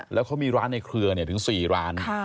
แล้วเขามีร้านในเครือถึง๔ร้าน